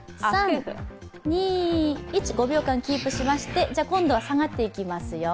５秒間キープしまして今度は下がっていきますよ。